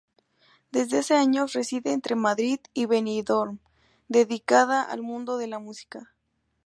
Desde hace años, reside entre Madrid y Benidorm, dedicada al mundo de la música.